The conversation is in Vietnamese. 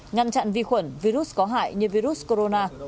ngăn chặn vi khuẩn virus có hại như virus corona